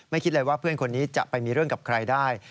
คิดเลยว่าเพื่อนคนนี้จะไปมีเรื่องกับใครได้